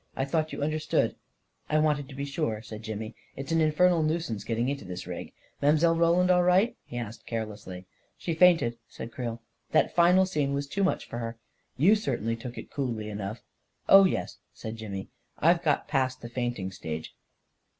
I thought you understood." " I wanted to be sure," said Jimmy. " It's an infernal nuisance getting into this rig. Mile. Ro land all right?" he asked carelessly. " She fainted," said Creel. " That final scene was too much for her. You certainly took it coolly enough." " Oh, yes," said Jimmy; " I've got past the faint ing stage."